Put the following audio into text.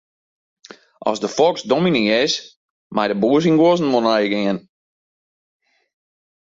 As de foks dominy is, mei de boer syn guozzen wol neigean.